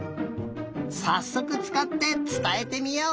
さっそくつかってつたえてみよう！